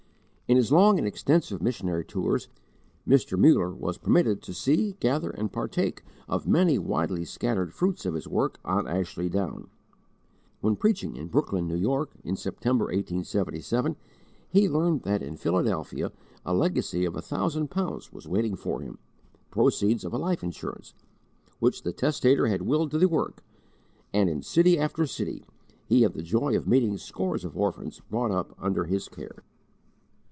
In his long and extensive missionary tours, Mr. Muller was permitted to see, gather, and partake of many widely scattered fruits of his work on Ashley Down. When preaching in Brooklyn, N. Y., in September, 1877, he learned that in Philadelphia a legacy of a thousand pounds was waiting for him, the proceeds of a life insurance, which the testator had willed to the work, and in city after city he had the joy of meeting scores of orphans brought up under his care.